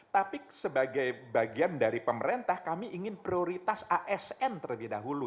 tapi sebagai bagian dari pemerintah kami ingin prioritas asn terlebih dahulu